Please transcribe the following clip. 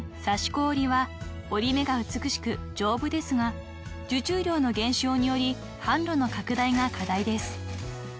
［折り目が美しく丈夫ですが受注量の減少により販路の拡大が課題です］